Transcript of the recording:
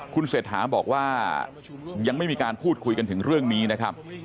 คุณเศรษฐาบอกว่ายังไม่มีการพูดคุยกันถึงเรื่องนี้นะครับ